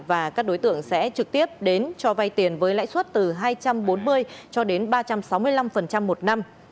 và các đối tượng sẽ trực tiếp đến cho vay tiền với lãi suất từ hai trăm bốn mươi cho đến ba trăm sáu mươi năm một năm